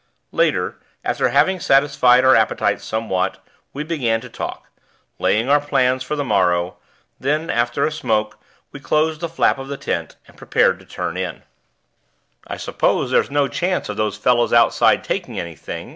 Later, having satisfied our appetites somewhat, we began to talk, laying our plans for the morrow; then, after a smoke, we closed the flap of the tent, and prepared to turn in. "I suppose there's no chance of those fellows outside taking anything?"